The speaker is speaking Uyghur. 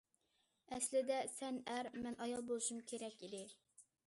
ئەسلىدە سەن ئەر، مەن ئايال بولۇشۇم كېرەك ئىدى.